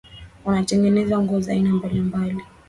wanatengeneza nguo za aina mbalimbali